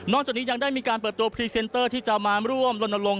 จากนี้ยังได้มีการเปิดตัวพรีเซนเตอร์ที่จะมาร่วมลนลง